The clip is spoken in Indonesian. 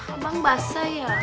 abang basah ya